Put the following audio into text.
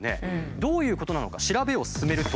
どういうことなのか調べを進めると。